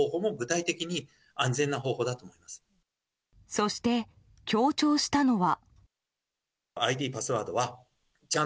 そして強調したのは。